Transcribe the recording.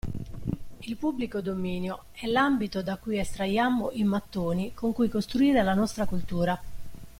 Il pubblico dominio è l'ambito da cui estraiamo i mattoni con cui costruire la nostra cultura.